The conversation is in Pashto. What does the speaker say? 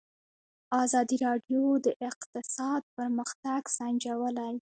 ازادي راډیو د اقتصاد پرمختګ سنجولی.